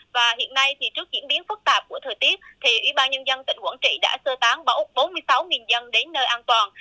và hiện nay thì trước diễn biến phức tạp của thời tiết thì ubnd tỉnh quảng trị đã sơ tán bốn mươi sáu dân đến nơi an toàn